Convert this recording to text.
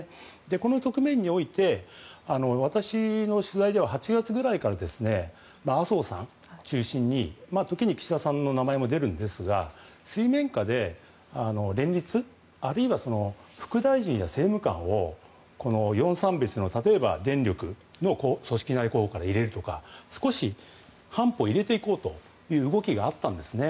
この局面において私の取材では８月ぐらいから麻生さん中心に時に岸田さんの名前も出るんですが水面下で連立あるいは副大臣や政務官を例えば電力の組織から入れるとか少し半歩入れていこうという動きがあったんですね。